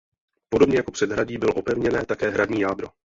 Podobně jako předhradí bylo opevněné také hradní jádro.